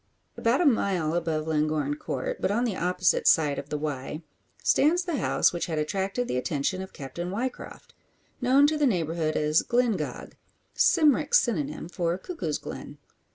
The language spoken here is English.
About a mile above Llangorren Court, but on the opposite side of the Wye, stands the house which had attracted the attention of Captain Ryecroft; known to the neighbourhood as "Glyngog" Cymric synonym for "Cuckoo's Glen."